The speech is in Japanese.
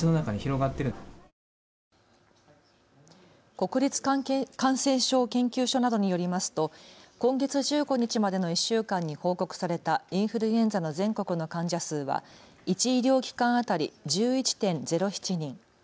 国立感染症研究所などによりますと今月１５日までの１週間に報告されたインフルエンザの全国の患者数は１医療機関当たり１１．０７人。